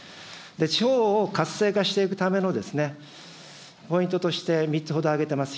地方を活性化していくためのポイントとして３つほど挙げています。